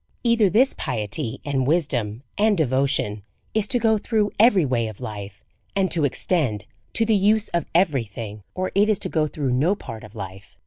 Either this piety, and wisdom, and devotion, is to go through every way of life, and to extend to the use of every thing, or it is to go through no part of life.